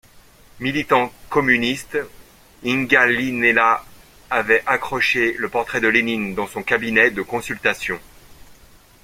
Militant communiste, Ingallinella avait accroché le portrait de Lénine dans son cabinet de consultation.